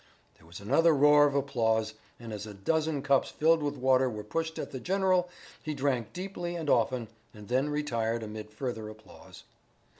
There was another roar of applause, and as a dozen cups filled with water were pushed at the general, he drank deeply and often, and then retired amid further applause.